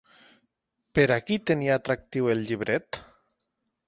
Per a qui tenia atractiu el llibret?